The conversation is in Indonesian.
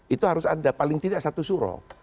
itu harus ada paling tidak satu suro